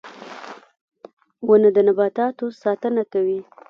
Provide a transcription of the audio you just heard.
• ونه د نباتاتو ساتنه کوي.